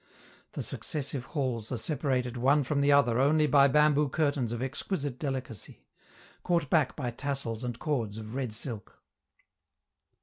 The successive halls are separated one from the other only by bamboo curtains of exquisite delicacy, caught back by tassels and cords of red silk.